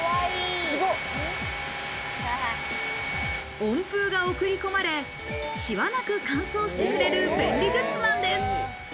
温風が送り込まれ、シワなく乾燥してくれる便利グッズなんです。